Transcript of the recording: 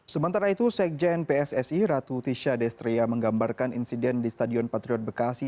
sementara itu sekjen pssi ratu tisha destria menggambarkan insiden di stadion patriot bekasi